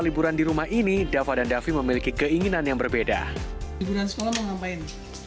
liburan di rumah ini dava dan davi memiliki keinginan yang berbeda liburan sekolah mau ngapain